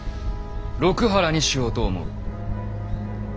六波羅にしようと思う。